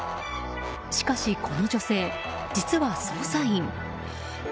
しかしこの女性、実は捜査員。